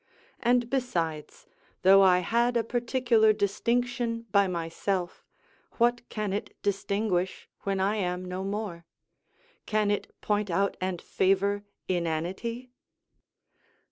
And besides, though I had a particular distinction by myself, what can it distinguish, when I am no more? Can it point out and favour inanity?